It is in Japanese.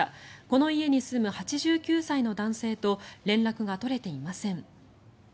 この家に住む８９歳の男性と連絡が取れていません。